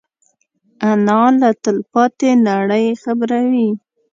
انا له تلپاتې نړۍ خبروي